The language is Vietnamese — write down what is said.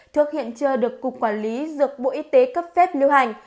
thuốc hiện chưa được cục quản lý dược bộ y tế cấp phép lưu hành